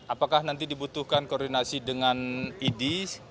apakah nanti dibutuhkan koordinasi dengan idi